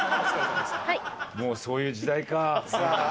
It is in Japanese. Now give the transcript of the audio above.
もうそういう時代か。